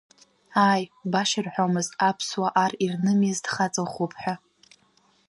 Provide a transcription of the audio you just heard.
Ааи, баша ирҳәомызт аԥсуаа ар ирнымиаз дхаҵаӷәӷәоуп ҳәа.